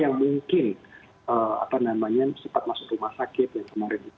yang mungkin sempat masuk rumah sakit yang kemarin